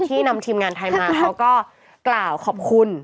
นำทีมงานไทยมาเขาก็กล่าวขอบคุณ